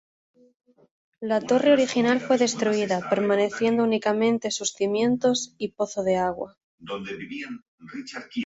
La torre original fue destruida, permaneciendo únicamente sus cimientos y pozo de agua.